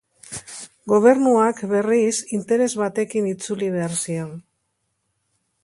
Gobernuak, berriz, interes batekin itzuli behar zion.